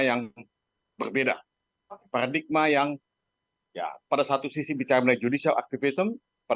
yang berbeda paradigma yang ya pada satu sisi bicara mengenai judicial activism